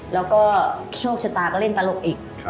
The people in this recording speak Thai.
แล้วก็โชคชะตาก็เล่นตลกอีก